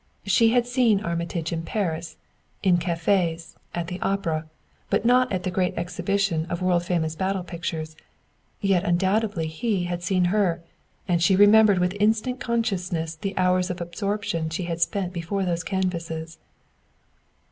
She had seen Armitage in Paris in cafés, at the opera, but not at the great exhibition of world famous battle pictures; yet undoubtedly he had seen her; and she remembered with instant consciousness the hours of absorption she had spent before those canvases.